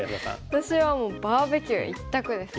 私はバーベキュー一択ですかね。